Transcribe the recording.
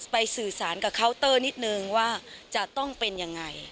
สื่อสารกับเคาน์เตอร์นิดนึงว่าจะต้องเป็นยังไง